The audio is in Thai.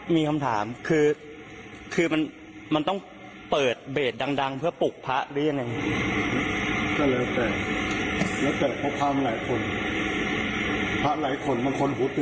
มีคำถามคือคือมันมันต้องเปิดเบจดังดังเพื่อปลุกพระด้วยยังไง